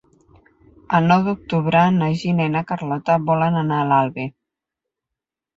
El nou d'octubre na Gina i na Carlota volen anar a l'Albi.